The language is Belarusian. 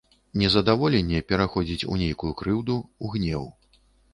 Нездаволенне пераходзіць у нейкую крыўду, у гнеў.